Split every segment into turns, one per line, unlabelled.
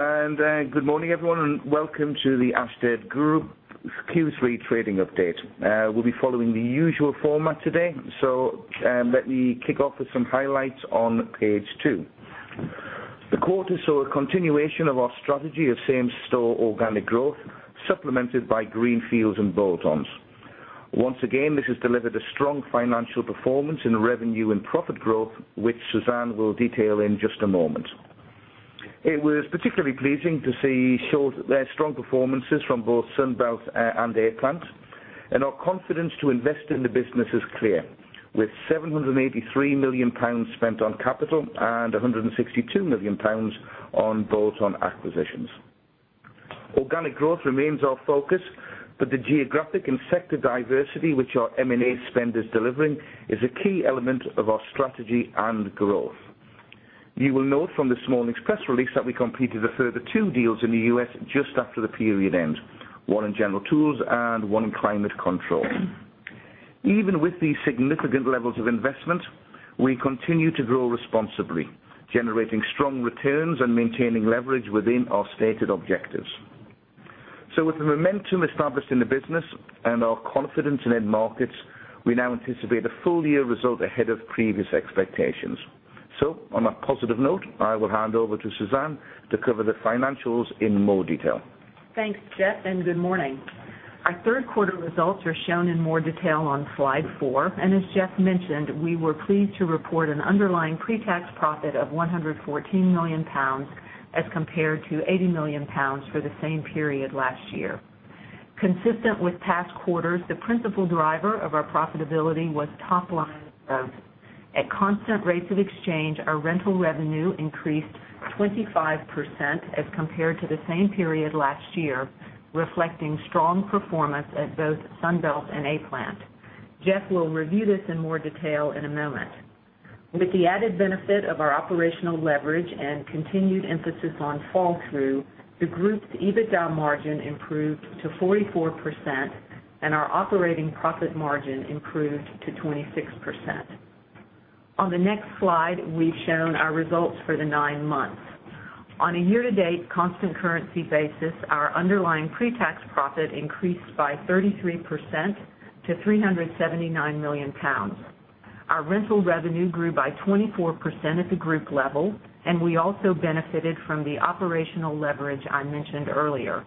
Good morning, everyone, and welcome to the Ashtead Group Q3 trading update. We will be following the usual format today, so let me kick off with some highlights on page two. The quarter saw a continuation of our strategy of same-store organic growth, supplemented by greenfields and bolt-ons. Once again, this has delivered a strong financial performance in revenue and profit growth, which Suzanne will detail in just a moment. It was particularly pleasing to see strong performances from both Sunbelt and A-Plant, and our confidence to invest in the business is clear. With 783 million pounds spent on capital and 162 million pounds on bolt-on acquisitions. Organic growth remains our focus, but the geographic and sector diversity which our M&A spend is delivering is a key element of our strategy and growth. You will note from this morning's press release that we completed a further two deals in the U.S. just after the period end, one in general tools and one in climate control. Even with these significant levels of investment, we continue to grow responsibly, generating strong returns and maintaining leverage within our stated objectives. With the momentum established in the business and our confidence in end markets, we now anticipate a full year result ahead of previous expectations. On a positive note, I will hand over to Suzanne to cover the financials in more detail.
Thanks, Geoff, and good morning. Our third quarter results are shown in more detail on slide four, and as Geoff mentioned, we were pleased to report an underlying pre-tax profit of 114 million pounds as compared to 80 million pounds for the same period last year. Consistent with past quarters, the principal driver of our profitability was top-line growth. At constant rates of exchange, our rental revenue increased 25% as compared to the same period last year, reflecting strong performance at both Sunbelt and A-Plant. Geoff will review this in more detail in a moment. With the added benefit of our operational leverage and continued emphasis on flow through, the group's EBITDA margin improved to 44%, and our operating profit margin improved to 26%. On the next slide, we have shown our results for the nine months. On a year-to-date constant currency basis, our underlying pre-tax profit increased by 33% to 379 million pounds. Our rental revenue grew by 24% at the group level, and we also benefited from the operational leverage I mentioned earlier.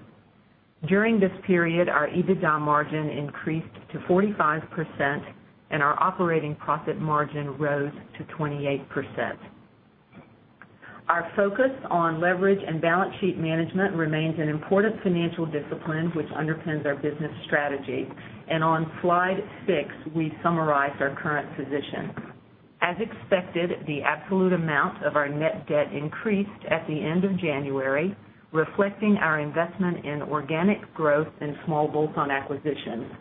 During this period, our EBITDA margin increased to 45%, and our operating profit margin rose to 28%. Our focus on leverage and balance sheet management remains an important financial discipline which underpins our business strategy. On slide six, we summarize our current position. As expected, the absolute amount of our net debt increased at the end of January, reflecting our investment in organic growth and small bolt-on acquisitions.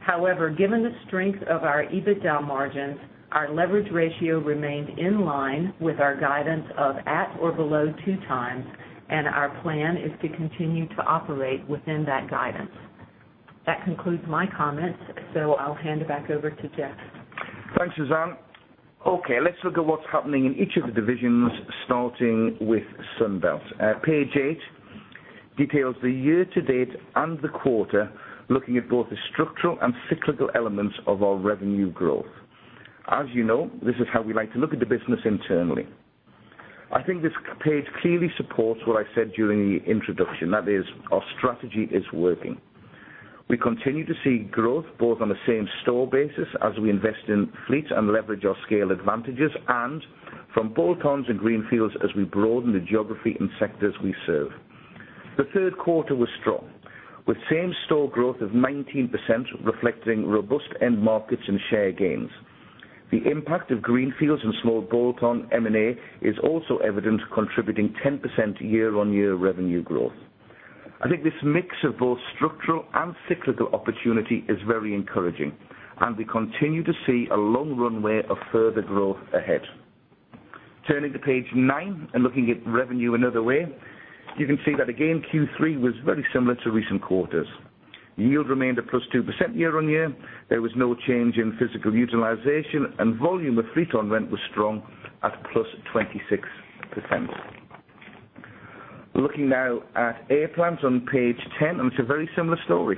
However, given the strength of our EBITDA margins, our leverage ratio remained in line with our guidance of at or below two times, and our plan is to continue to operate within that guidance. That concludes my comments, I will hand it back over to Geoff.
Thanks, Suzanne. Let's look at what's happening in each of the divisions, starting with Sunbelt. Page eight details the year-to-date and the quarter, looking at both the structural and cyclical elements of our revenue growth. As you know, this is how we like to look at the business internally. I think this page clearly supports what I said during the introduction, that is, our strategy is working. We continue to see growth both on a same-store basis as we invest in fleet and leverage our scale advantages and from bolt-ons and greenfields as we broaden the geography and sectors we serve. The third quarter was strong, with same-store growth of 19%, reflecting robust end markets and share gains. The impact of greenfields and small bolt-on M&A is also evident, contributing 10% year-on-year revenue growth. I think this mix of both structural and cyclical opportunity is very encouraging, and we continue to see a long runway of further growth ahead. Turning to page nine and looking at revenue another way, you can see that again, Q3 was very similar to recent quarters. Yield remained at +2% year-on-year. There was no change in physical utilization, and volume with fleet on rent was strong at +26%. Looking now at A-Plant on page 10, it's a very similar story.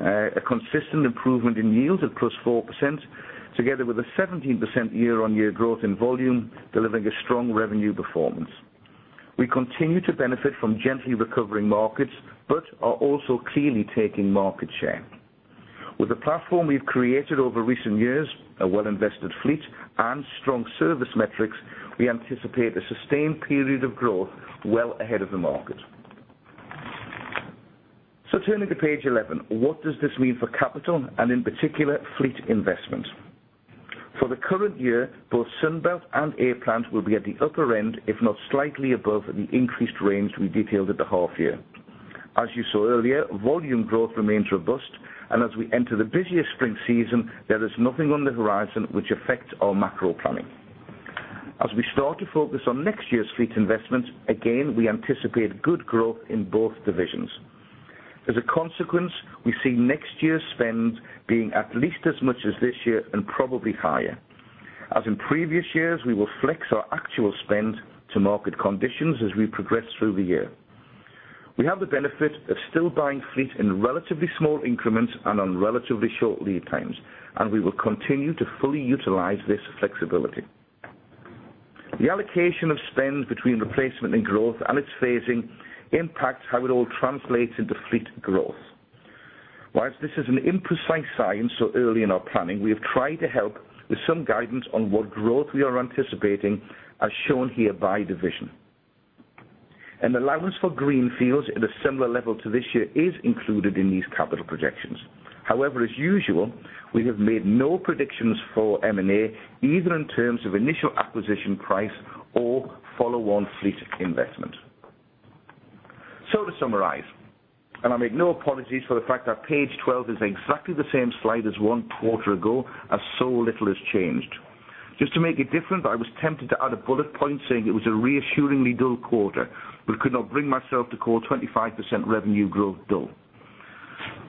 A consistent improvement in yields at +4%, together with a 17% year-on-year growth in volume delivering a strong revenue performance. We continue to benefit from gently recovering markets, but are also clearly taking market share. With the platform we've created over recent years, a well-invested fleet, and strong service metrics, we anticipate a sustained period of growth well ahead of the market. Turning to page 11, what does this mean for capital, and in particular, fleet investment? For the current year, both Sunbelt and A-Plant will be at the upper end, if not slightly above the increased range we detailed at the half year. As you saw earlier, volume growth remains robust, and as we enter the busiest spring season, there is nothing on the horizon which affects our macro planning. As we start to focus on next year's fleet investments, again, we anticipate good growth in both divisions. A consequence, we see next year's spend being at least as much as this year and probably higher. In previous years, we will flex our actual spend to market conditions as we progress through the year. We have the benefit of still buying fleet in relatively small increments and on relatively short lead times, we will continue to fully utilize this flexibility. The allocation of spend between replacement and growth and its phasing impacts how it all translates into fleet growth. Whilst this is an imprecise science so early in our planning, we have tried to help with some guidance on what growth we are anticipating as shown here by division. An allowance for greenfields at a similar level to this year is included in these capital projections. As usual, we have made no predictions for M&A, either in terms of initial acquisition price or follow-on fleet investment. To summarize, I make no apologies for the fact that page 12 is exactly the same slide as one quarter ago as so little has changed. Just to make it different, I was tempted to add a bullet point saying it was a reassuringly dull quarter but could not bring myself to call 25% revenue growth dull.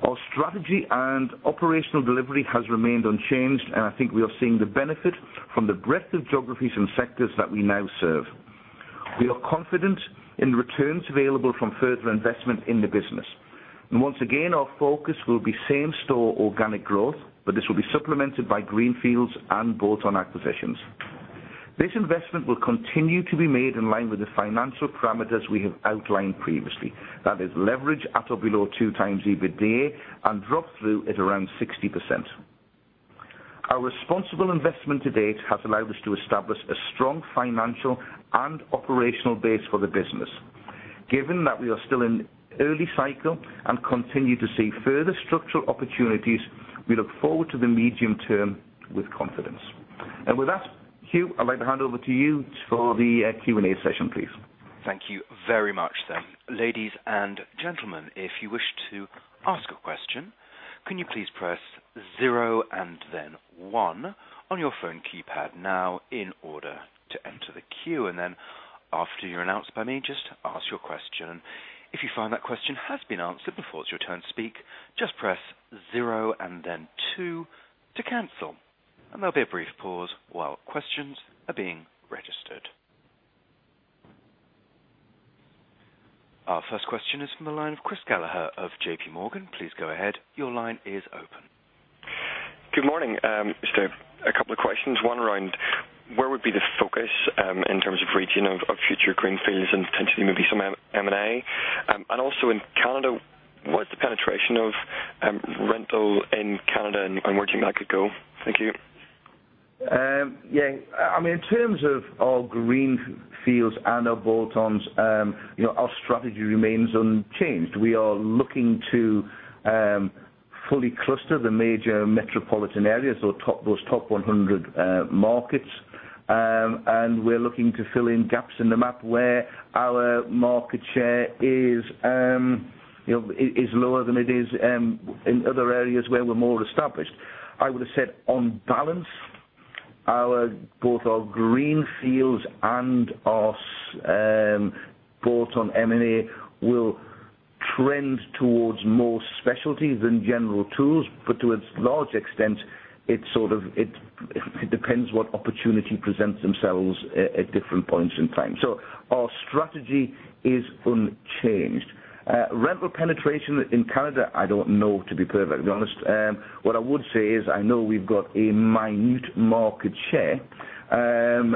Our strategy and operational delivery has remained unchanged, I think we are seeing the benefit from the breadth of geographies and sectors that we now serve. We are confident in the returns available from further investment in the business. Once again, our focus will be same-store organic growth, but this will be supplemented by greenfields and bolt-on acquisitions. This investment will continue to be made in line with the financial parameters we have outlined previously. That is leverage at or below two times EBITDA and drop through at around 60%. Our responsible investment to date has allowed us to establish a strong financial and operational base for the business. Given that we are still in early cycle and continue to see further structural opportunities, we look forward to the medium term with confidence. With that, Hugh, I'd like to hand over to you for the Q&A session, please.
Thank you very much. Ladies and gentlemen, if you wish to ask a question, can you please press zero and then one on your phone keypad now in order to enter the queue? Then after you're announced by me, just ask your question. If you find that question has been answered before it's your turn to speak, just press zero and then two to cancel. There'll be a brief pause while questions are being registered. Our first question is from the line of Chris Gallagher of J.P. Morgan. Please go ahead. Your line is open.
Good morning. Just a couple of questions. One around where would be the focus in terms of region of future greenfields and potentially maybe some M&A. Also in Canada, what is the penetration of rental in Canada and where do you think that could go? Thank you.
Yeah. In terms of our greenfields and our bolt-ons, our strategy remains unchanged. We are looking to fully cluster the major metropolitan areas, so those top 100 markets. We're looking to fill in gaps in the map where our market share is lower than it is in other areas where we're more established. I would have said on balance, both our greenfields and our bolt-on M&A will trend towards more specialty than general tools, but to a large extent, it depends what opportunity presents themselves at different points in time. Our strategy is unchanged. Rental penetration in Canada, I don't know, to be perfectly honest. What I would say is I know we've got a minute market share, and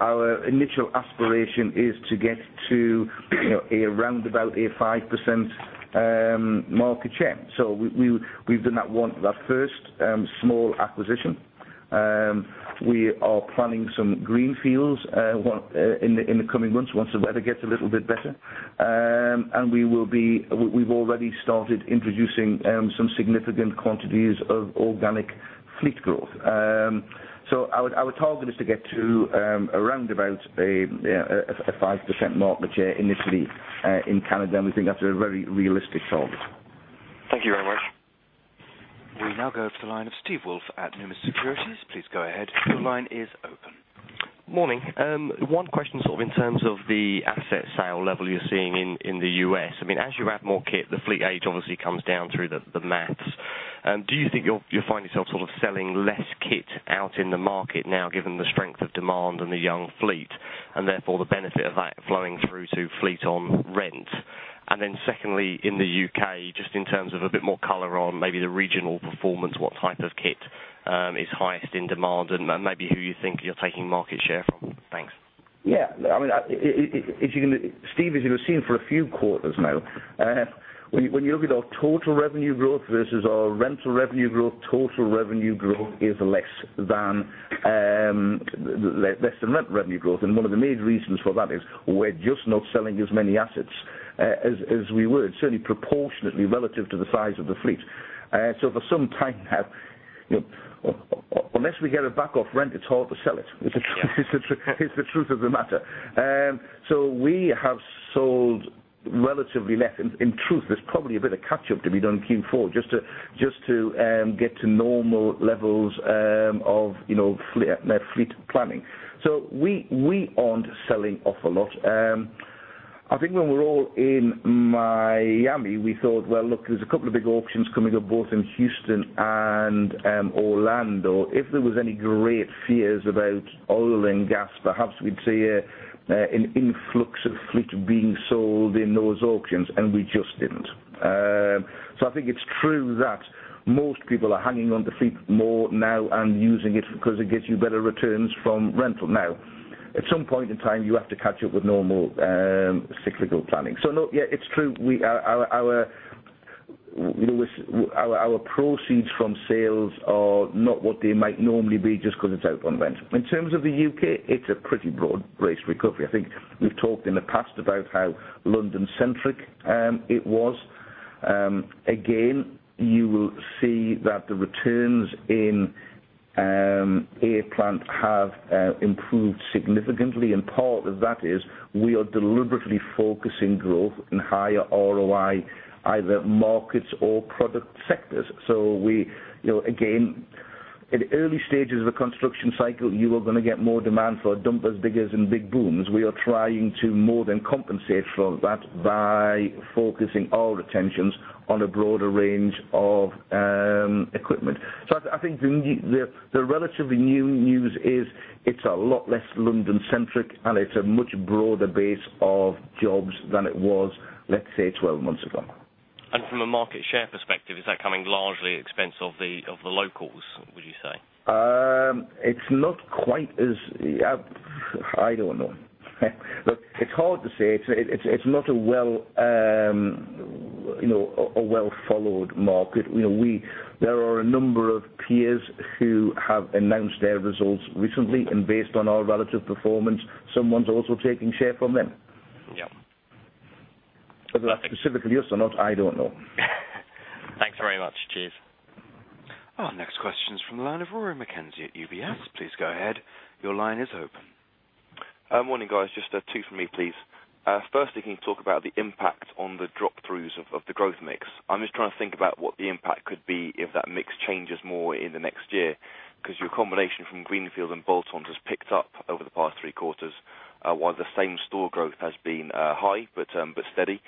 our initial aspiration is to get to around about a 5% market share. We've done that first small acquisition. We are planning some greenfields in the coming months once the weather gets a little bit better. We've already started introducing some significant quantities of organic fleet growth. Our target is to get to around about a 5% market share initially in Canada, and we think that's a very realistic target.
Thank you very much.
We now go to the line of Steve Woolf at Numis Securities. Please go ahead. Your line is open.
Morning. One question in terms of the asset sale level you're seeing in the U.S. As you add more kit, the fleet age obviously comes down through the maths. Do you think you'll find yourself selling less kit out in the market now, given the strength of demand and the young fleet, and therefore the benefit of that flowing through to fleet on rent? Then secondly, in the U.K., just in terms of a bit more color on maybe the regional performance, what type of kit is highest in demand and maybe who you think you're taking market share from? Thanks.
Yeah. Steve, as you have seen for a few quarters now, when you look at our total revenue growth versus our rental revenue growth, total revenue growth is less than rental revenue growth. One of the main reasons for that is we're just not selling as many assets as we would, certainly proportionately relative to the size of the fleet. For some time now, unless we get it back off rent, it's hard to sell it is the truth of the matter. We have sold relatively less. In truth, there's probably a bit of catch up to be done going forward just to get to normal levels of net fleet planning. We aren't selling off a lot. I think when we were all in Miami, we thought, well, look, there's a couple of big auctions coming up both in Houston and Orlando. If there was any great fears about oil and gas, perhaps we'd see an influx of fleet being sold in those auctions, we just didn't. I think it's true that most people are hanging on to fleet more now and using it because it gets you better returns from rental. At some point in time, you have to catch up with normal cyclical planning. Look, yeah, it's true. Lewis, our proceeds from sales are not what they might normally be just because it's out on rent. In terms of the U.K., it's a pretty broad-based recovery. I think we've talked in the past about how London-centric it was. Again, you will see that the returns in A-Plant have improved significantly, and part of that is we are deliberately focusing growth in higher ROI, either markets or product sectors. Again, at early stages of a construction cycle, you are going to get more demand for dumpers, diggers, and big booms. We are trying to more than compensate for that by focusing our attentions on a broader range of equipment. I think the relatively new news is it's a lot less London-centric, and it's a much broader base of jobs than it was, let's say, 12 months ago.
From a market share perspective, is that coming largely at the expense of the locals, would you say?
It's not quite as I don't know. Look, it's hard to say. It's not a well-followed market. There are a number of peers who have announced their results recently, and based on our relative performance, someone's also taking share from them.
Yeah.
Whether that's specifically us or not, I don't know.
Thanks very much, Geoff.
Our next question is from the line of Rory Mackenzie at UBS. Please go ahead. Your line is open.
Morning, guys. Just two from me, please. Firstly, can you talk about the impact on the drop-throughs of the growth mix. I'm just trying to think about what the impact could be if that mix changes more in the next year, because your combination from greenfield and bolt-ons has picked up over the past three quarters, while the same-store growth has been high but steady.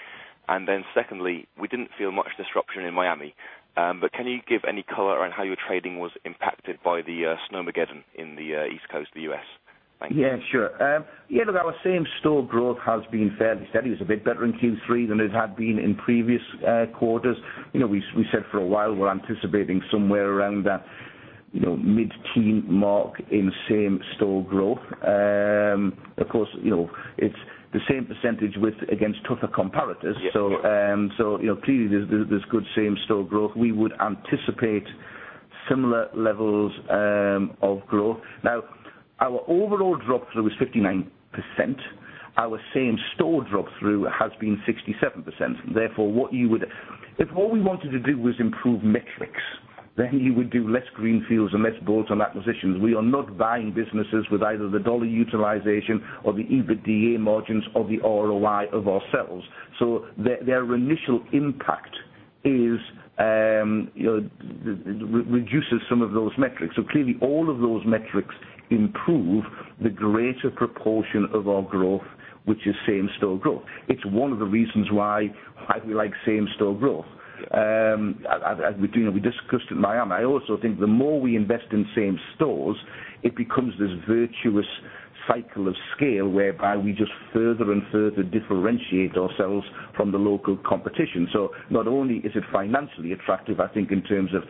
Secondly, we didn't feel much disruption in Miami. But can you give any color on how your trading was impacted by the Snowmageddon in the East Coast of the U.S.? Thank you.
Yeah, sure. Yeah, look, our same-store growth has been fairly steady. It was a bit better in Q3 than it had been in previous quarters. We said for a while, we're anticipating somewhere around that mid-teen mark in same-store growth. Of course, it's the same % against tougher comparators.
Yes.
Clearly, there's good same-store growth. We would anticipate similar levels of growth. Now, our overall drop-through is 59%. Our same-store drop-through has been 67%. Therefore, if all we wanted to do was improve metrics, then you would do less greenfields and less bolt-on acquisitions. We are not buying businesses with either the dollar utilization or the EBITDA margins or the ROI of ourselves. Their initial impact reduces some of those metrics. Clearly, all of those metrics improve the greater proportion of our growth, which is same-store growth. It's one of the reasons why we like same-store growth. We discussed in Miami, I also think the more we invest in same stores, it becomes this virtuous cycle of scale whereby we just further and further differentiate ourselves from the local competition. Not only is it financially attractive, I think in terms of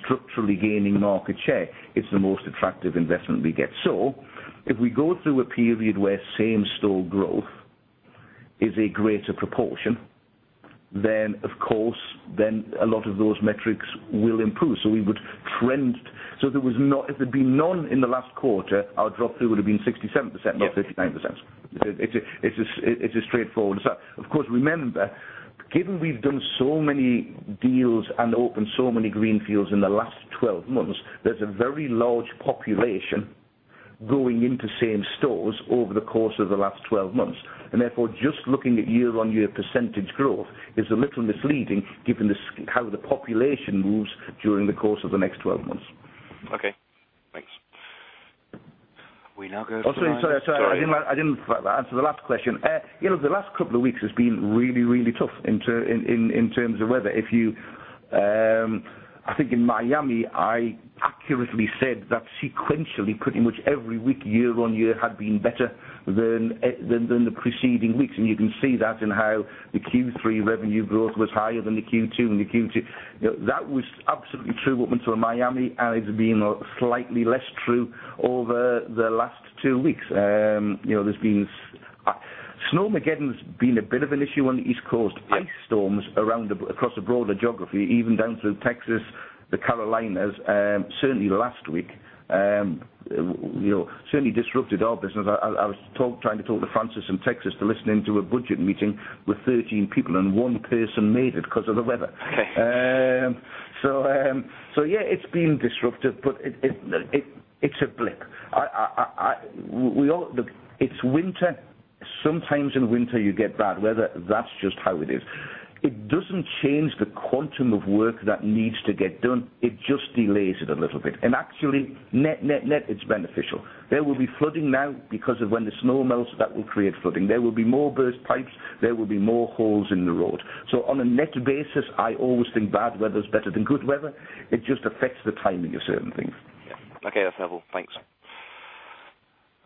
structurally gaining market share, it's the most attractive investment we get. If we go through a period where same-store growth is a greater proportion, then of course, a lot of those metrics will improve. If there'd been none in the last quarter, our drop-through would have been 67%, not 59%.
Yeah.
It's as straightforward as that. Of course, remember, given we've done so many deals and opened so many greenfields in the last 12 months, there's a very large population going into same stores over the course of the last 12 months. Therefore, just looking at year-on-year % growth is a little misleading given how the population moves during the course of the next 12 months.
Okay, thanks.
We now go to the line of-
Oh, sorry. I didn't answer the last question. The last couple of weeks has been really tough in terms of weather. I think in Miami, I accurately said that sequentially, pretty much every week, year-over-year had been better than the preceding weeks, and you can see that in how the Q3 revenue growth was higher than the Q2 and the Q2. That was absolutely true up until Miami, and it's been slightly less true over the last two weeks. Snowmageddon's been a bit of an issue on the East Coast. Ice storms across a broader geography, even down through Texas, the Carolinas, certainly last week certainly disrupted our business. I was trying to talk to Francis in Texas to listen in to a budget meeting with 13 people, and one person made it because of the weather.
Okay.
Yeah, it's been disruptive, but it's a blip. Look, it's winter. Sometimes in winter you get bad weather. That's just how it is. It doesn't change the quantum of work that needs to get done. It just delays it a little bit. Actually, net, net, it's beneficial. There will be flooding now because of when the snow melts, that will create flooding. There will be more burst pipes. There will be more holes in the road. On a net basis, I always think bad weather is better than good weather. It just affects the timing of certain things.
Yeah. Okay. That's level. Thanks.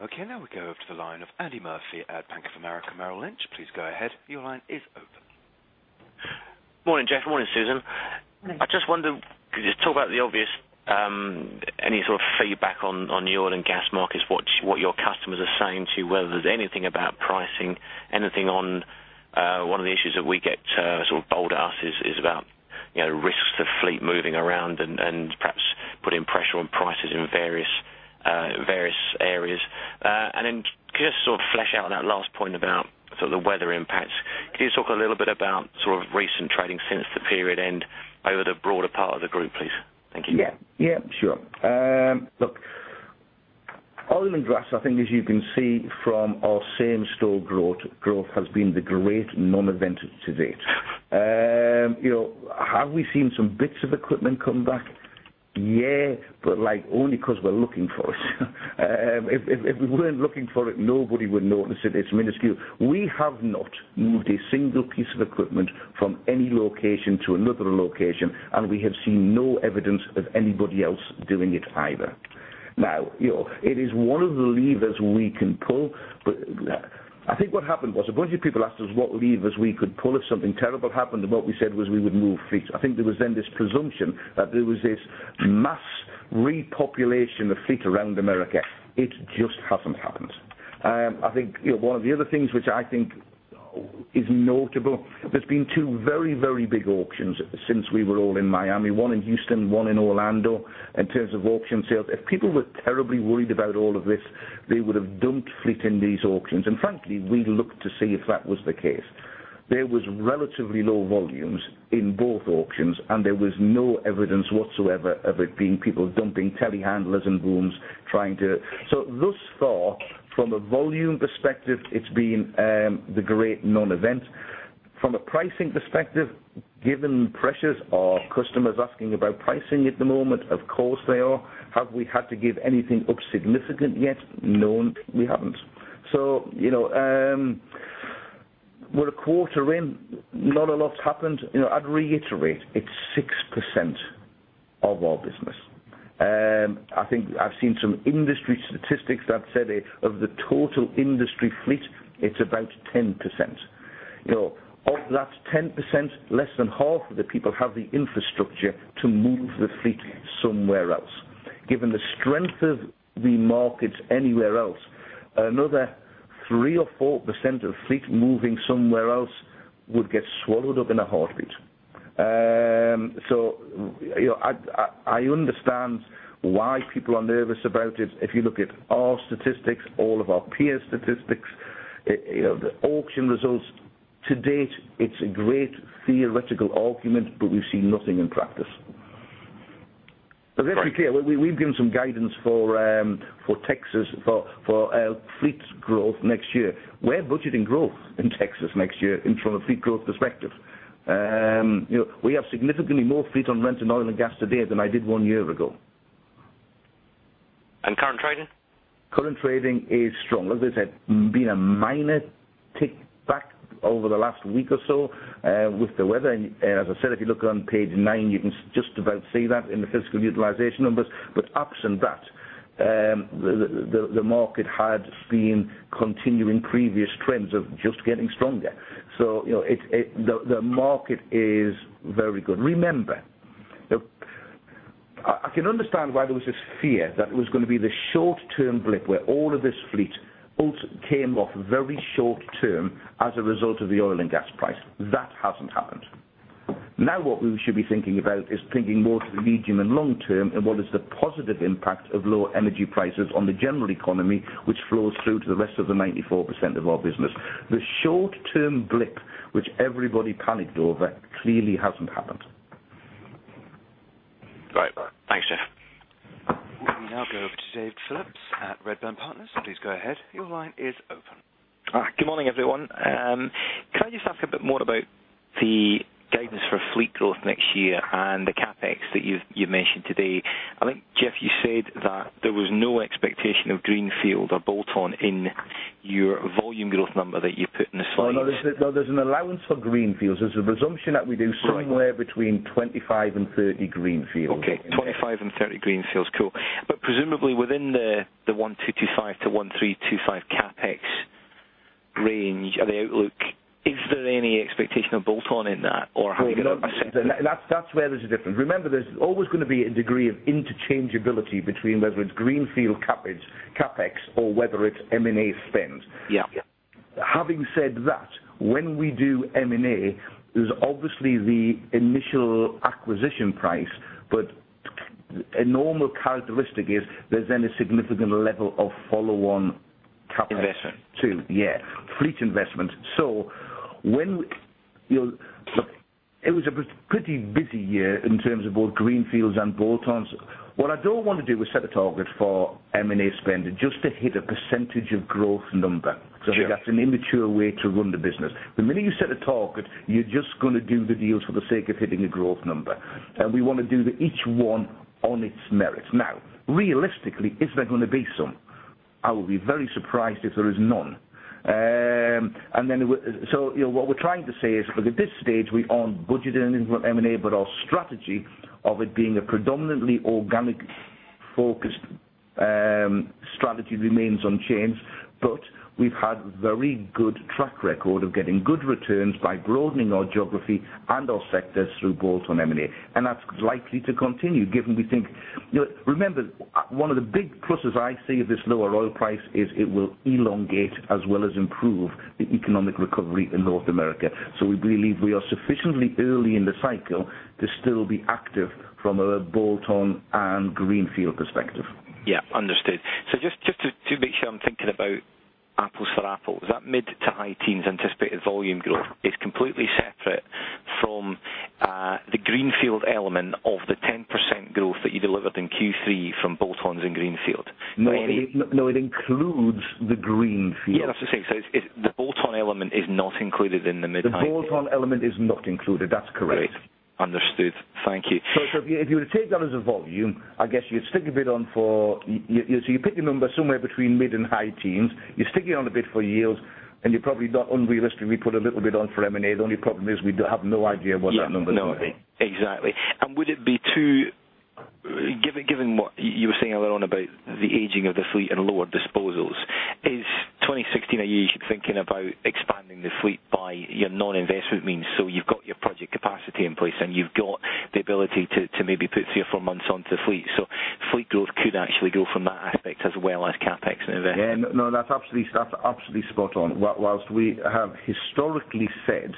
Okay, now we go over to the line of Andy Murphy at Bank of America Merrill Lynch. Please go ahead. Your line is open.
Morning, Geoff. Morning, Suzanne.
Morning.
I just wonder, could you just talk about the obvious, any sort of feedback on the oil and gas markets, what your customers are saying to you, whether there's anything about pricing, anything on one of the issues that we get sort of bowled at us is about risks of fleet moving around and perhaps putting pressure on prices in various areas. Then could you just sort of flesh out on that last point about the weather impacts. Can you talk a little bit about recent trading since the period end over the broader part of the group, please?
Yeah. Sure. Look, oil and gas, I think as you can see from our same-store growth has been the great non-event to date. Have we seen some bits of equipment come back? Yeah, but only because we're looking for it. If we weren't looking for it, nobody would notice it. It's minuscule. We have not moved a single piece of equipment from any location to another location, and we have seen no evidence of anybody else doing it either. Now, it is one of the levers we can pull. I think what happened was a bunch of people asked us what levers we could pull if something terrible happened, and what we said was we would move fleet. I think there was then this presumption that there was this mass repopulation of fleet around America. It just hasn't happened. One of the other things which I think is notable, there's been two very, very big auctions since we were all in Miami, one in Houston, one in Orlando, in terms of auction sales. If people were terribly worried about all of this, they would have dumped fleet in these auctions. Frankly, we looked to see if that was the case. There was relatively low volumes in both auctions, and there was no evidence whatsoever of it being people dumping telehandlers and booms trying to Thus far, from a volume perspective, it's been the great non-event. From a pricing perspective, given pressures, are customers asking about pricing at the moment? Of course, they are. Have we had to give anything up significant yet? No, we haven't. We're a quarter in, not a lot's happened. I'd reiterate it's 6% of our business. I think I've seen some industry statistics that have said that of the total industry fleet, it's about 10%. Of that 10%, less than half of the people have the infrastructure to move the fleet somewhere else. Given the strength of the markets anywhere else, another 3%-4% of fleet moving somewhere else would get swallowed up in a heartbeat. I understand why people are nervous about it. If you look at our statistics, all of our peer statistics, the auction results, to date, it's a great theoretical argument, we've seen nothing in practice.
Right.
We've given some guidance for Texas for our fleet growth next year. We're budgeting growth in Texas next year from a fleet growth perspective. We have significantly more fleet on rent in oil and gas today than I did one year ago.
Current trading?
Current trading is strong. As I said, there's been a minor tick back over the last week or so with the weather. As I said, if you look on page nine, you can just about see that in the physical utilization numbers. Absent that, the market had seen continuing previous trends of just getting stronger. The market is very good. Remember, I can understand why there was this fear that it was going to be this short-term blip where all of this fleet came off very short-term as a result of the oil and gas price. That hasn't happened. Now what we should be thinking about is thinking more to the medium and long term and what is the positive impact of lower energy prices on the general economy, which flows through to the rest of the 94% of our business. The short-term blip, which everybody panicked over, clearly hasn't happened.
Right. Thanks, Geoff.
We now go over to David Phillips at Redburn Partners. Please go ahead. Your line is open.
Good morning, everyone. Can I just ask a bit more about the guidance for fleet growth next year and the CapEx that you mentioned today? I think, Geoff, you said that there was no expectation of greenfield or bolt-on in your volume growth number that you put in the slides.
No, there's an allowance for greenfields. There's a presumption that we do somewhere between 25 and 30 greenfields.
Okay. 25 and 30 greenfields. Cool. Presumably within the 1,225-1,325 CapEx range or the outlook, is there any expectation of bolt-on in that? Have you not accepted?
That's where there's a difference. Remember, there's always going to be a degree of interchangeability between whether it's greenfield CapEx or whether it's M&A spend.
Yeah.
Having said that, when we do M&A, there's obviously the initial acquisition price, but a normal characteristic is there's then a significant level of follow-on CapEx.
Investment
too. Yeah. Fleet investment. It was a pretty busy year in terms of both greenfields and bolt-ons. What I don't want to do is set a target for M&A spending just to hit a % of growth number.
Sure.
I think that's an immature way to run the business. The minute you set a target, you're just going to do the deals for the sake of hitting a growth number. We want to do each one on its merits. Now, realistically, is there going to be some? I will be very surprised if there is none. What we're trying to say is, because at this stage, we aren't budgeting any more M&A, but our strategy of it being a predominantly organic-focused strategy remains unchanged. We've had very good track record of getting good returns by broadening our geography and our sectors through bolt-on M&A, and that's likely to continue given we think. Remember, one of the big pluses I see of this lower oil price is it will elongate as well as improve the economic recovery in North America. We believe we are sufficiently early in the cycle to still be active from a bolt-on and greenfield perspective.
Yeah, understood. Just to make sure I'm thinking about apples for apples, that mid to high teens anticipated volume growth is completely separate from the greenfield element of the 10% growth that you delivered in Q3 from bolt-ons and greenfield.
No, it includes the greenfield.
Yeah, that's what I'm saying. The bolt-on element is not included in the mid to high teens.
The bolt-on element is not included, that's correct.
Great. Understood. Thank you.
If you were to take that as a volume, I guess you pick the number somewhere between mid and high teens, you stick it on a bit for yield, and you probably not unrealistically put a little bit on for M&A. The only problem is we have no idea what that number is going to be.
Yeah. No. Exactly. Given what you were saying earlier on about the aging of the fleet and lower disposals, is 2016 a year you should be thinking about expanding the fleet by your non-investment means? You've got your project capacity in place, and you've got the ability to maybe put three or four months onto fleet. Fleet growth could actually go from that aspect as well as CapEx.
Yeah. No, that's absolutely spot on. Whilst we have historically said,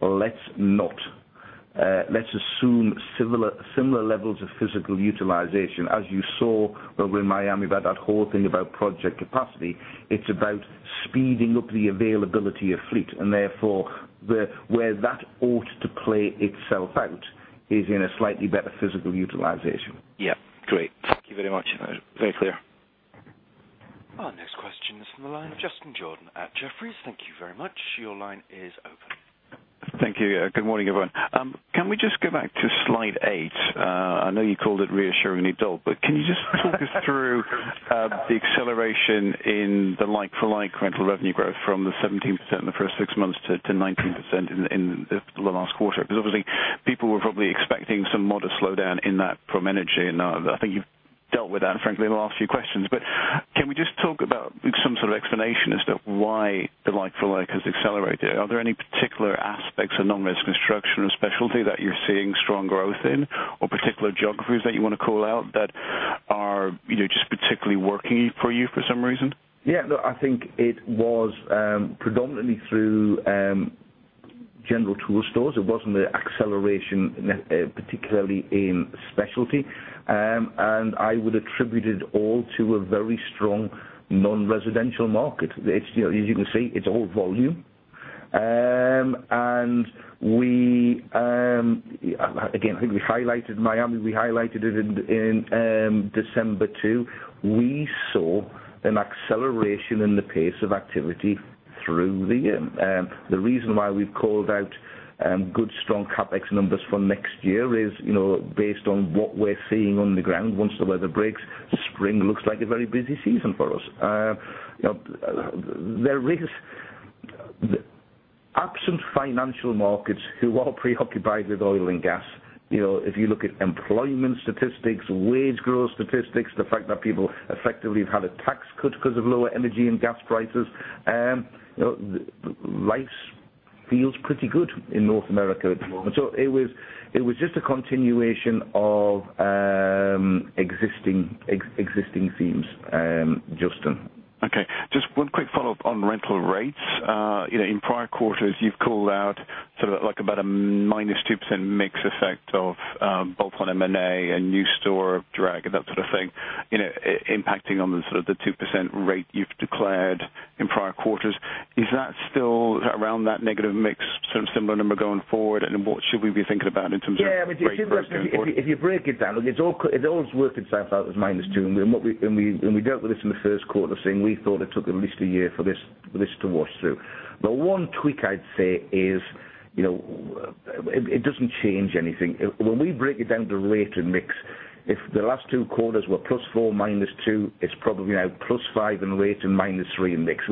let's assume similar levels of physical utilization, as you saw over in Miami about that whole thing about project capacity, it's about speeding up the availability of fleet, and therefore, where that ought to play itself out is in a slightly better physical utilization.
Yeah, great. Thank you very much. Very clear.
Our next question is from the line of Justin Jordan at Jefferies. Thank you very much. Your line is open.
Thank you. Good morning, everyone. Can we just go back to slide eight? I know you called it reassuringly dull, but can you just talk us through the acceleration in the like-for-like rental revenue growth from the 17% in the first six months to 19% in the last quarter? Obviously, people were probably expecting some modest slowdown in that from energy, and I think you've dealt with that frankly in the last few questions. Can we just talk about some sort of explanation as to why the like-for-like has accelerated? Are there any particular aspects of non-res construction or specialty that you're seeing strong growth in? Particular geographies that you want to call out that are just particularly working for you for some reason?
No, I think it was predominantly through general tool stores. It wasn't an acceleration particularly in specialty. I would attribute it all to a very strong non-residential market. As you can see, it's all volume. Again, I think we highlighted Miami, we highlighted it in December too. We saw an acceleration in the pace of activity through the year. The reason why we've called out good, strong CapEx numbers for next year is based on what we're seeing on the ground. Once the weather breaks, spring looks like a very busy season for us. Absent financial markets who are preoccupied with oil and gas, if you look at employment statistics, wage growth statistics, the fact that people effectively have had a tax cut because of lower energy and gas prices, life feels pretty good in North America at the moment. It was just a continuation of existing themes, Justin.
Okay, just one quick follow-up on rental rates. In prior quarters, you've called out about a minus 2% mix effect of both on M&A and new store drag and that sort of thing impacting on the 2% rate you've declared in prior quarters. Is that still around that negative mix, similar number going forward, and what should we be thinking about in terms of rate versus going forward?
Yeah. If you break it down, it always worked itself out as minus two, and we dealt with this in the first quarter saying we thought it took at least a year for this to wash through. The one tweak I'd say is it doesn't change anything. When we break it down to rate and mix, if the last two quarters were plus four, minus two, it's probably now plus five in rate and minus three in mix.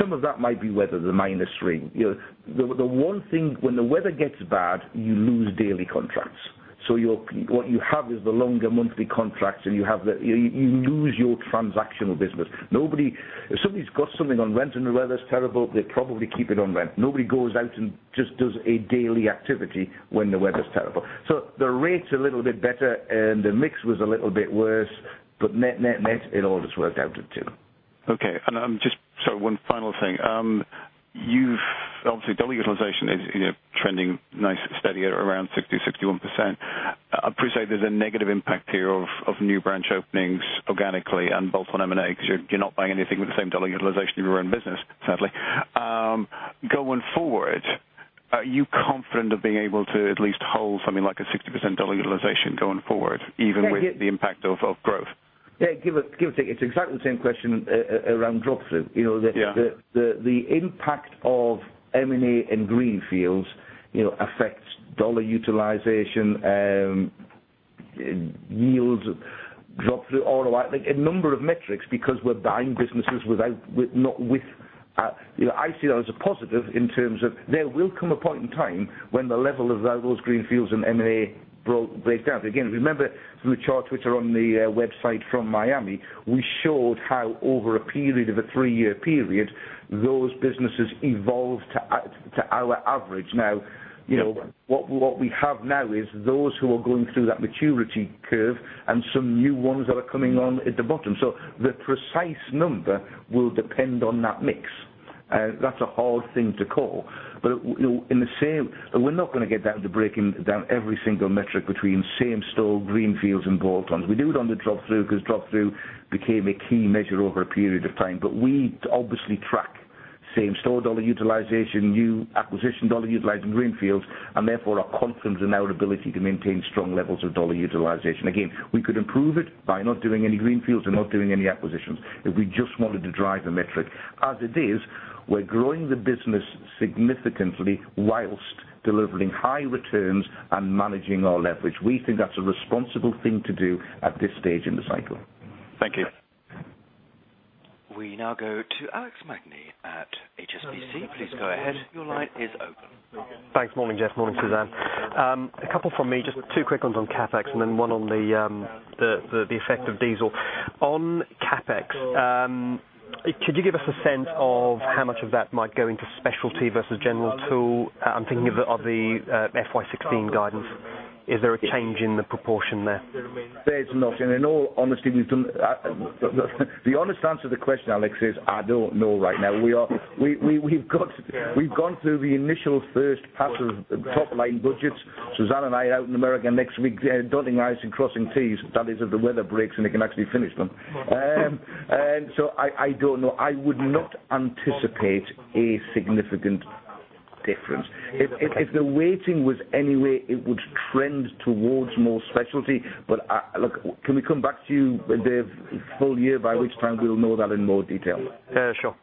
Some of that might be weather, the minus three. The one thing, when the weather gets bad, you lose daily contracts. What you have is the longer monthly contracts, and you lose your transactional business. If somebody's got something on rent and the weather's terrible, they probably keep it on rent. Nobody goes out and just does a daily activity when the weather's terrible. The rate's a little bit better and the mix was a little bit worse, but net, net, it all just worked out at two.
Okay. Just one final thing. Obviously, dollar utilization is trending nice and steady at around 60%, 61%. I appreciate there's a negative impact here of new branch openings organically and both on M&A, because you're not buying anything with the same dollar utilization of your own business, sadly. Going forward, are you confident of being able to at least hold something like a 60% dollar utilization going forward, even with the impact of growth?
Yeah. Give or take. It's exactly the same question around drop-through.
Yeah.
The impact of M&A and greenfields affects dollar utilization, yields, drop-through, a number of metrics because we're buying businesses. I see that as a positive in terms of there will come a point in time when the level of those greenfields and M&A breaks down. Again, remember the charts which are on the website from Miami. We showed how over a period of a three-year period, those businesses evolved to our average. What we have now is those who are going through that maturity curve and some new ones that are coming on at the bottom. The precise number will depend on that mix. That's a hard thing to call. We're not going to get down to breaking down every single metric between same store greenfields and bolt-ons. We do it on the drop-through, because drop-through became a key measure over a period of time. We obviously track same store dollar utilization, new acquisition dollar utilization greenfields, and therefore are confident in our ability to maintain strong levels of dollar utilization. Again, we could improve it by not doing any greenfields and not doing any acquisitions if we just wanted to drive the metric. As it is, we're growing the business significantly whilst delivering high returns and managing our leverage. We think that's a responsible thing to do at this stage in the cycle.
Thank you.
We now go to Alessio Magni at HSBC. Please go ahead. Your line is open.
Thanks. Morning, Geoff. Morning, Suzanne. A couple from me. Just two quick ones on CapEx and then one on the effect of diesel. On CapEx, could you give us a sense of how much of that might go into specialty versus general tool? I'm thinking of the FY 2016 guidance. Is there a change in the proportion there?
There's not. The honest answer to the question, Alex, is I don't know right now. We've gone through the initial first pass of top-line budgets. Suzanne and I are out in America next week, dotting I's and crossing T's. That is if the weather breaks and they can actually finish them. I don't know. I would not anticipate a significant difference. If the weighting was any way, it would trend towards more specialty. Look, can we come back to you the full year by which time we'll know that in more detail?
Yeah, sure.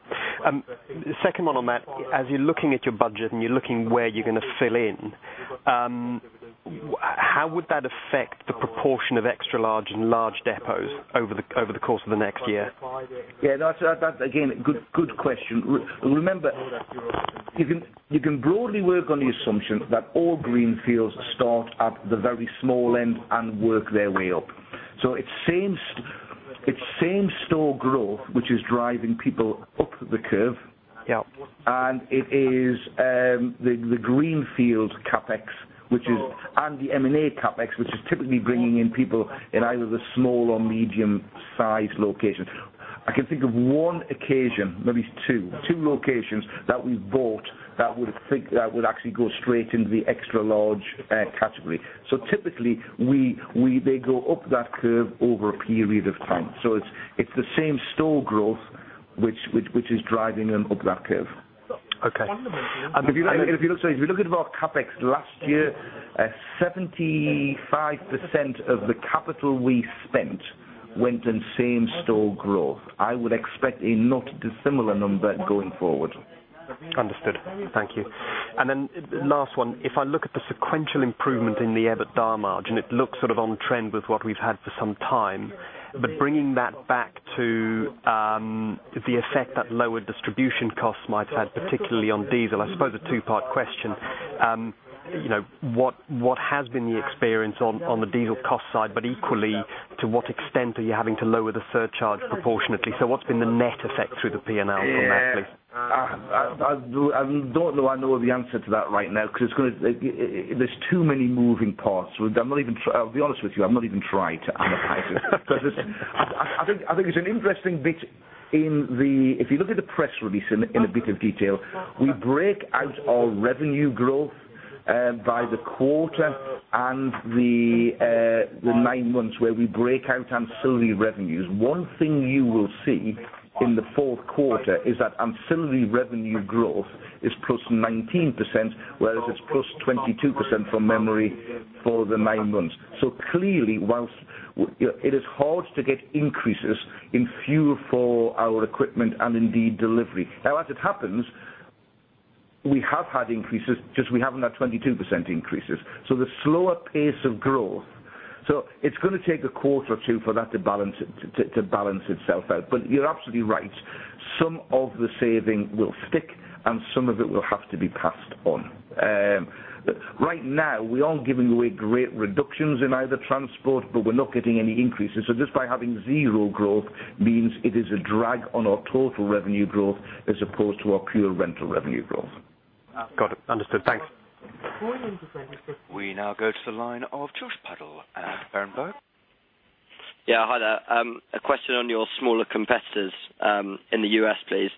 Second one on that. As you're looking at your budget and you're looking where you're going to fill in, how would that affect the proportion of extra large and large depots over the course of the next year?
That's, again, a good question. Remember, you can broadly work on the assumption that all greenfields start at the very small end and work their way up. It's same store growth, which is driving people up the curve.
Yeah.
It is the greenfield CapEx and the M&A CapEx, which is typically bringing in people in either the small or medium-sized locations. I can think of one occasion, maybe two locations that we bought that would actually go straight into the extra large category. Typically, they go up that curve over a period of time. It's the same store growth, which is driving them up that curve.
Okay.
If you look at our CapEx last year, 75% of the capital we spent went in same store growth. I would expect a not dissimilar number going forward.
Understood. Thank you. Last one. If I look at the sequential improvement in the EBITDA margin, it looks sort of on trend with what we've had for some time. Bringing that back to the effect that lower distribution costs might have had, particularly on diesel. I suppose a two-part question. What has been the experience on the diesel cost side, but equally, to what extent are you having to lower the surcharge proportionately? What's been the net effect through the P&L from that, please?
I don't know I know the answer to that right now, because there's too many moving parts. I'll be honest with you, I've not even tried to analyze it. I think there's an interesting bit. If you look at the press release in a bit of detail, we break out our revenue growth by the quarter and the nine months where we break out ancillary revenues. One thing you will see in the fourth quarter is that ancillary revenue growth is +19%, whereas it's +22% from memory for the nine months. Clearly, whilst it is hard to get increases in fuel for our equipment and indeed delivery. Now, as it happens, we have had increases, just we haven't had 22% increases. The slower pace of growth. It's going to take a quarter or two for that to balance itself out. You're absolutely right. Some of the saving will stick, and some of it will have to be passed on. Right now, we aren't giving away great reductions in either transport, but we're not getting any increases. Just by having zero growth means it is a drag on our total revenue growth as opposed to our pure rental revenue growth.
Got it. Understood. Thanks.
We now go to the line of Joshua Puddle at Berenberg.
Yeah. Hi there. A question on your smaller competitors in the U.S., please.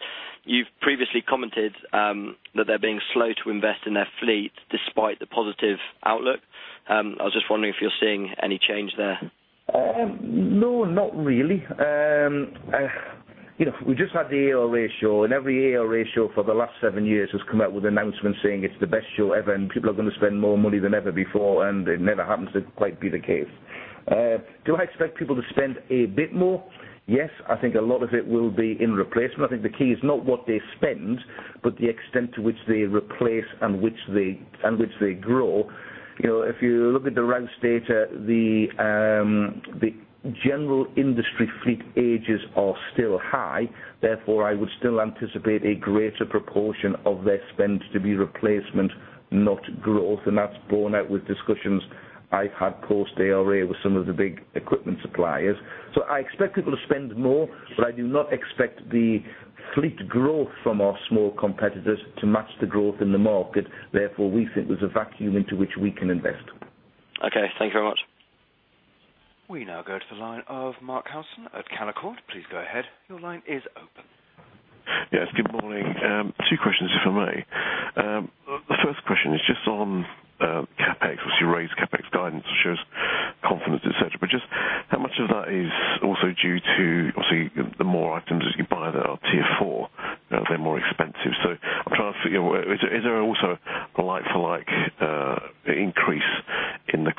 You've previously commented that they're being slow to invest in their fleet despite the positive outlook. I was just wondering if you're seeing any change there.
No, not really. We just had the ARA show. Every ARA show for the last seven years has come out with announcements saying it's the best show ever. People are going to spend more money than ever before, and it never happens to quite be the case. Do I expect people to spend a bit more? Yes. I think a lot of it will be in replacement. I think the key is not what they spend, but the extent to which they replace and which they grow. If you look at the Rouse data, the general industry fleet ages are still high, therefore, I would still anticipate a greater proportion of their spend to be replacement, not growth, and that's borne out with discussions I've had post-ARA with some of the big equipment suppliers. I expect people to spend more, but I do not expect the fleet growth from our small competitors to match the growth in the market. Therefore, we think there's a vacuum into which we can invest.
Okay. Thank you very much.
We now go to the line of Mark Russon at Canaccord. Please go ahead. Your line is open.
Yes, good morning. Two questions, if I may. The first question is just on CapEx. Obviously you raised CapEx guidance, which shows confidence, et cetera, but just how much of that is also due to obviously the more items as you buy that are Tier 4, they're more expensive. I'm trying to figure, is there also a like for like increase in the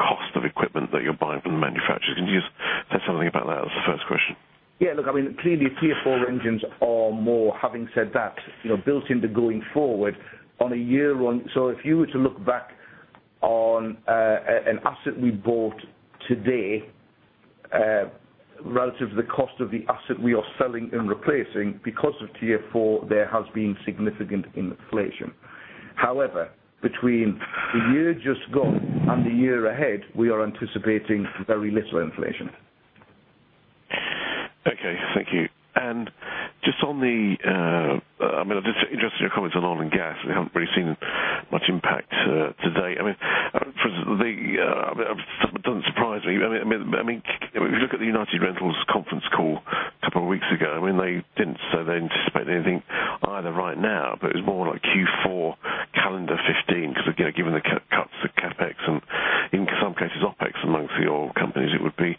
cost of equipment that you're buying from the manufacturers? Can you just say something about that as the first question?
Look, clearly Tier 4 engines are more. Having said that, built into going forward, if you were to look back on an asset we bought today, relative to the cost of the asset we are selling and replacing because of Tier 4, there has been significant inflation. However, between the year just gone and the year ahead, we are anticipating very little inflation.
Okay, thank you. I'm interested in your comments on oil and gas. We haven't really seen much impact to date. It doesn't surprise me. If you look at the United Rentals conference call a couple of weeks ago, they didn't say they anticipate anything either right now, but it was more like Q4 calendar 2015 because again, given the cuts to CapEx and in some cases OpEx amongst the oil companies, it would be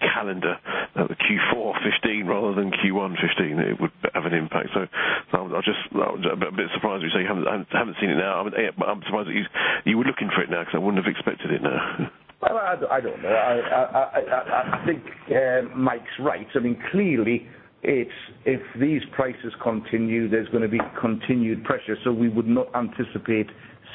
calendar Q4 2015 rather than Q1 2015 it would have an impact. I'm a bit surprised you say you haven't seen it now. I'm surprised that you were looking for it now because I wouldn't have expected it now.
I don't know. I think Michael's right. Clearly, if these prices continue, there is going to be continued pressure. We would not anticipate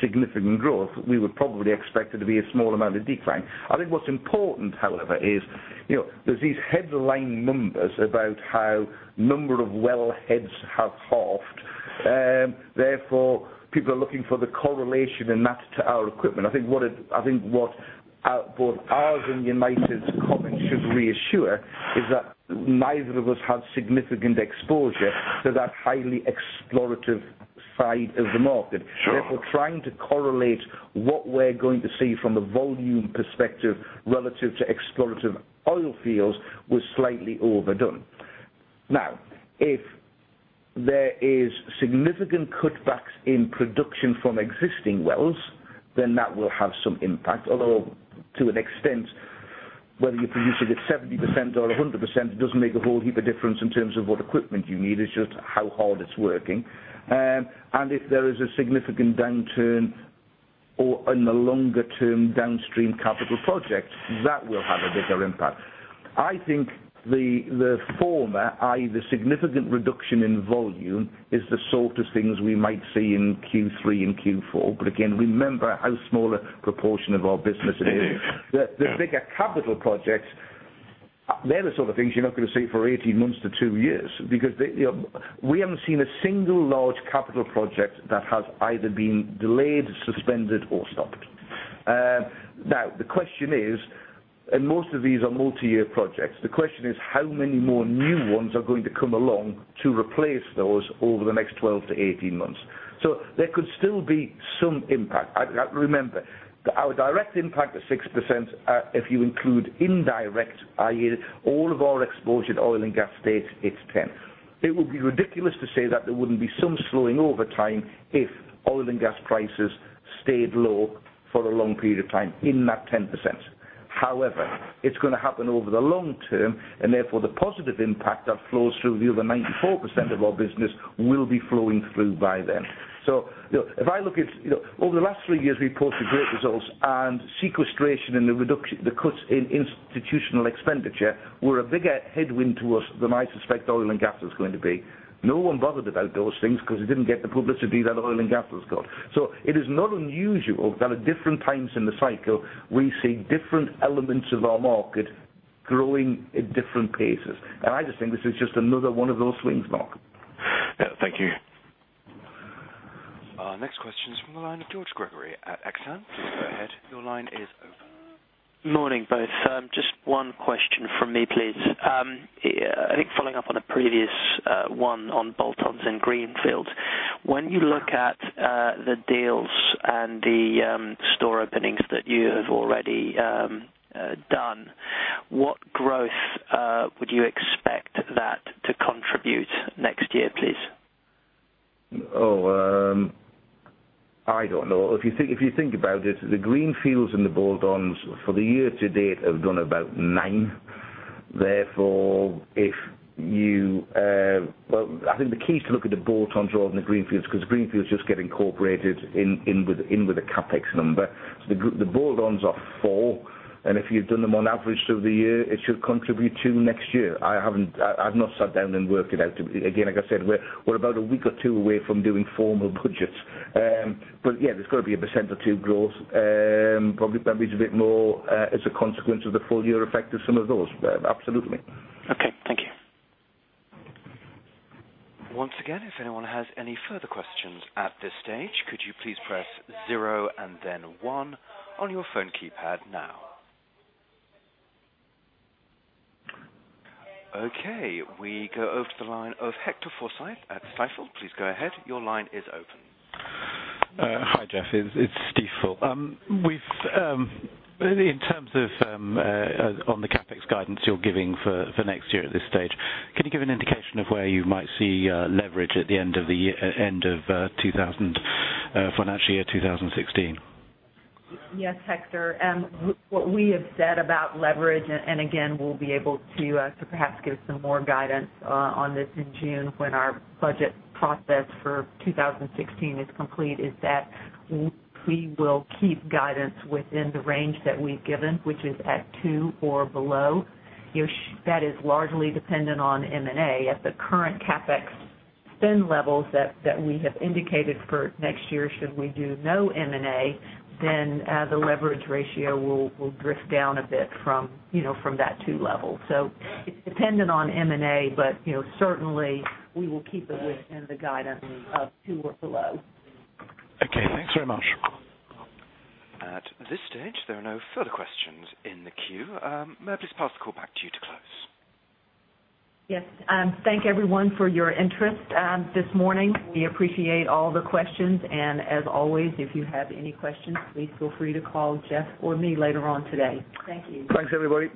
significant growth. We would probably expect it to be a small amount of decline. I think what is important, however, is there are these headline numbers about how number of well heads have halved. People are looking for the correlation in that to our equipment. I think what both ours and United Rentals' comments should reassure is that neither of us have significant exposure to that highly explorative side of the market.
Sure.
Trying to correlate what we are going to see from a volume perspective relative to explorative oil fields was slightly overdone. If there is significant cutbacks in production from existing wells, that will have some impact. Although, to an extent, whether you are producing at 70% or 100% does not make a whole heap of difference in terms of what equipment you need. It is just how hard it is working. If there is a significant downturn or in the longer term downstream capital projects, that will have a bigger impact. I think the former, i.e. the significant reduction in volume, is the sort of things we might see in Q3 and Q4. Again, remember how small a proportion of our business it is.
Yeah.
The bigger capital projects, they are the sort of things you are not going to see for 18 months to two years because we have not seen a single large capital project that has either been delayed, suspended, or stopped. The question is, and most of these are multi-year projects, the question is how many more new ones are going to come along to replace those over the next 12 to 18 months? There could still be some impact. Remember, our direct impact is 6%. If you include indirect, i.e. all of our exposure to oil and gas states, it is 10%. It would be ridiculous to say that there would not be some slowing over time if oil and gas prices stayed low for a long period of time in that 10%. It is going to happen over the long term, and therefore, the positive impact that flows through the other 94% of our business will be flowing through by then. If I look at over the last three years, we posted great results and sequestration and the cuts in institutional expenditure were a bigger headwind to us than I suspect oil and gas is going to be. No one bothered about those things because it did not get the publicity that oil and gas has got. It is not unusual that at different times in the cycle, we see different elements of our market growing at different paces. I just think this is just another one of those swings, Mark.
Yeah. Thank you.
Our next question is from the line of George Gregory at Exane. Go ahead. Your line is open.
Morning, both. Just one question from me, please. Up on a previous one on bolt-ons and greenfields. When you look at the deals and the store openings that you have already done, what growth would you expect that to contribute next year, please?
I don't know. If you think about it, the greenfields and the bolt-ons for the year to date have done about nine. I think the key is to look at the bolt-ons rather than the greenfields, because greenfields just get incorporated in with the CapEx number. The bolt-ons are four, and if you've done them on average through the year, it should contribute two next year. I've not sat down and worked it out. Like I said, we're about a week or two away from doing formal budgets. Yeah, there's got to be a % or two growth, probably a bit more as a consequence of the full year effect of some of those, but absolutely.
Okay. Thank you.
Once again, if anyone has any further questions at this stage, could you please press zero and then one on your phone keypad now? We go over to the line of Hector Forsyth at Stifel. Please go ahead. Your line is open.
Hi, Geoff. It's Stifel. In terms of on the CapEx guidance you're giving for next year at this stage, can you give an indication of where you might see leverage at the end of financial year 2016?
Yes, Hector. What we have said about leverage, and again, we'll be able to perhaps give some more guidance on this in June when our budget process for 2016 is complete, is that we will keep guidance within the range that we've given, which is at 2 or below. That is largely dependent on M&A. At the current CapEx spend levels that we have indicated for next year, should we do no M&A, then the leverage ratio will drift down a bit from that 2 level. It's dependent on M&A, but certainly, we will keep it within the guidance of 2 or below.
Okay, thanks very much.
At this stage, there are no further questions in the queue. May I please pass the call back to you to close?
Yes. Thank everyone for your interest this morning. We appreciate all the questions. As always, if you have any questions, please feel free to call Geoff or me later on today. Thank you.
Thanks, everybody.